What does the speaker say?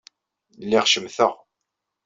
Lliɣ cemteɣ.